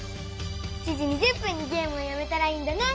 ７時２０分にゲームをやめたらいいんだね！